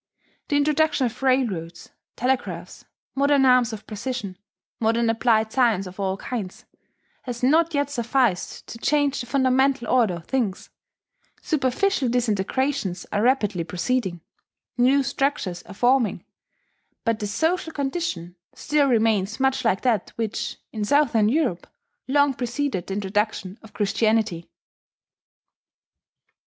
The introduction of railroads, telegraphs, modern arms of precision, modern applied science of all kinds, has not yet sufficed to change the fundamental order of things, Superficial disintegrations are rapidly proceeding; new structures are forming; but the social condition still remains much like that which, in southern Europe, long preceded the introduction of Christianity.